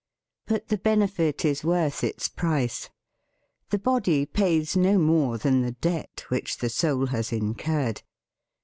But the benefit is worth its price. The body pays no more than the debt which the soul has incurred.